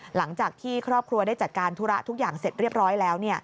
หลังจากที่ครอบครัวได้จัดการธุระทุกอย่างเสร็จเรียบร้อยแล้ว